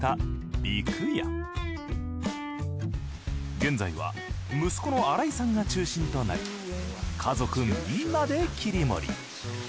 現在は息子の新井さんが中心となり家族みんなで切り盛り。